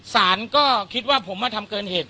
สารก็คิดว่าผมมาทำเกินเหตุ